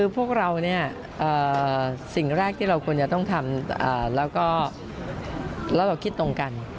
พวกเราสิ่งแรกที่เราควรจะต้องทำแล้วเราคิดตรงกัน